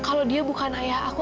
kalau dia bukan ayah aku